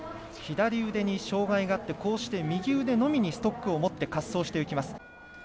左腕に障がいがあって右腕のみにストックを持って滑走します。